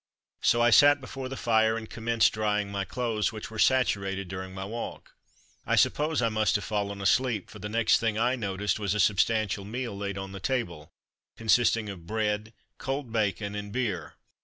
So I sat before the fire, and commenced drying my clothes, which were saturated during my walk. I suppose I must have fallen asleep, for the next thing I noticed was a substantial meal laid on the table, consisting of bread, cold bacon, and beer.